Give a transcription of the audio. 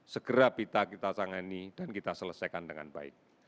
segera kita tangani dan kita selesaikan dengan baik